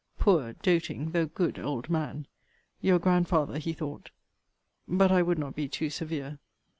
Poor doting, though good old man! Your grandfather, he thought But I would not be too severe.